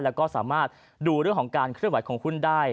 แล้วก็สามารถดูเรื่องของการเคลื่อนไหวของหุ้นได้